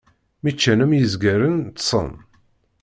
Mi ččan am yizgaren, ṭṭsen.